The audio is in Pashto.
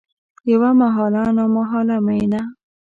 یوه محاله نامحاله میینه